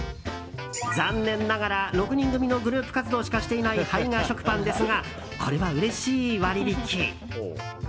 残念ながら、６人組のグループ活動しかしていない胚芽食パンですがこれはうれしい割引。